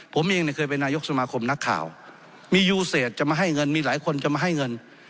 ผมเองเนี่ยเคยเป็นนายกสมาคมนักข่าวมียูเศษจะมาให้เงินมีหลายคนจะมาให้เงิน